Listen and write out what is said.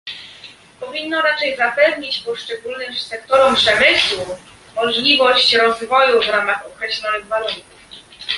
Powinno raczej zapewnić poszczególnym sektorom przemysłu możliwość rozwoju w ramach określonych warunków